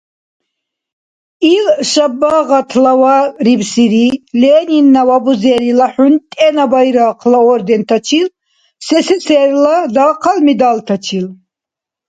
Ил шабагъатлаварибсири Ленинна ва Бузерила ХӀунтӀена Байрахъла ордентачил, СССР-ла дахъал медальтачил.